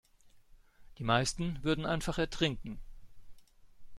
Die meisten würden einfach ertrinken.